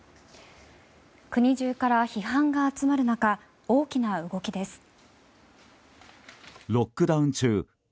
国中から批判が集まる中大きな動きです。